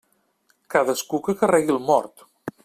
Cadascú que carregui el mort.